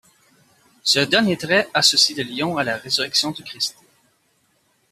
Ce dernier trait associe le lion à la Résurrection du Christ.